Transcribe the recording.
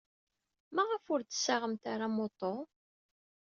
Maɣef ur d-tessaɣemt ara amuṭu?